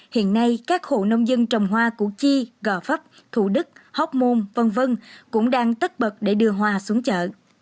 hiện nay các hộ nông dân trồng hoa củ chi gò pháp thủ đức hóc môn v v cũng đang tất bật để đưa hoa xuống chợ